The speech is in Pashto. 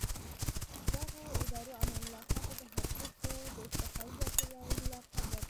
دغو ادارو امان الله خان ته د حقوقو د افتخاري ډاکټرۍ علمي لقب ورکړ.